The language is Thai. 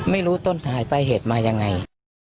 ไม่รู้ต้นหายไปเหตุมายังไง